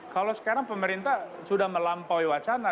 kalau sekarang pemerintah sudah melampaui wacana